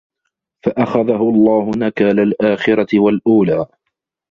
فَأَخَذَهُ اللَّهُ نَكالَ الآخِرَةِ وَالأولى